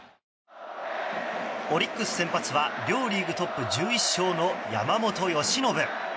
オリックス先発は両リーグトップ１１勝の山本由伸。